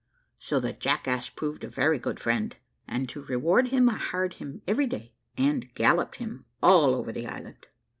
So the jackass proved a very good friend, and, to reward him, I hired him every day, and galloped him all over the island.